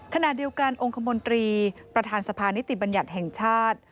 ขณะเดียวกันองค์คมนตรีประธานสภานิติบัญญัติแห่งชาติ